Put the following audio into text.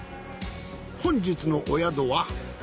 本日のお宿は。